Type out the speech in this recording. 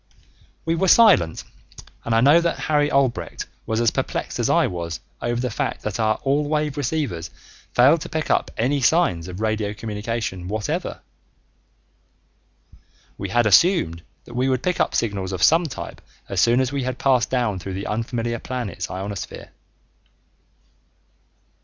We were silent, and I know that Harry Albrecht was as perplexed as I was over the fact that our all wave receivers failed to pick up any signs of radio communication whatever. We had assumed that we would pick up signals of some type as soon as we had passed down through the unfamiliar planet's ionosphere.